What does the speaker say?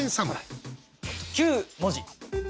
９文字。